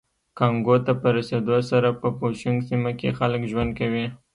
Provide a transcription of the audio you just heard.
کانګو ته په رسېدو سره په بوشونګ سیمه کې خلک ژوند کوي